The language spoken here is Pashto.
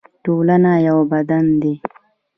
ټولنه یو بدن دی